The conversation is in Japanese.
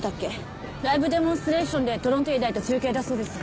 ライブデモンストレーションでトロント医大と中継だそうです。